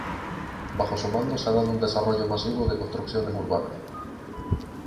Bajo su mando se ha dado un desarrollo masivo de construcciones urbanas.